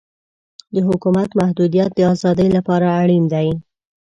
د حکومت محدودیت د ازادۍ لپاره اړین دی.